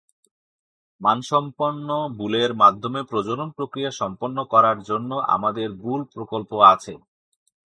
মানসম্পন্ন বুলের মাধ্যমে প্রজনন-প্রক্রিয়া সম্পন্ন করার জন্য আমাদের বুল প্রকল্প আছে।